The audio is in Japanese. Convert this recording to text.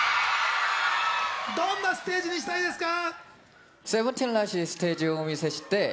どんなステージにしたいですか？